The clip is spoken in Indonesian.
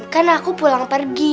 kan aku pulang pergi